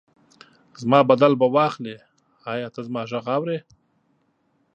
زما بدل به واخلي، ایا ته زما غږ اورې؟